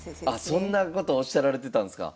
そんなことおっしゃられてたんすか。